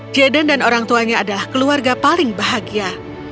jaden dan orang tuanya adalah keluarga paling bahagia